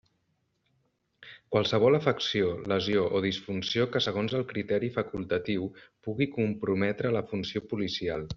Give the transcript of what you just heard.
Qualsevol afecció, lesió o disfunció que segons el criteri facultatiu pugui comprometre la funció policial.